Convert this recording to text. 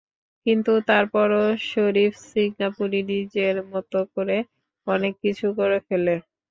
কিন্তু তারপরও শরিফ সিঙ্গাপুরি নিজের মতো করে অনেক কিছু করে ফেলে।